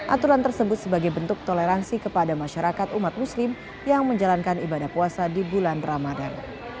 aturan tersebut sebagai bentuk toleransi kepada masyarakat umat muslim yang menjalankan ibadah puasa di bulan ramadan